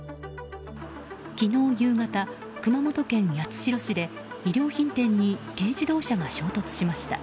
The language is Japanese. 昨日夕方、熊本県八代市で衣料品店に軽自動車が衝突しました。